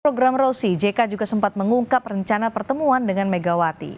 program rosi jk juga sempat mengungkap rencana pertemuan dengan megawati